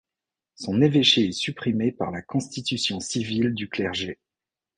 Son évêché est supprimé par la constitution civile du clergé.